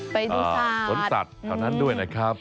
ไปดูสัตว์สวนสัตว์เท่านั้นด้วยนะครับ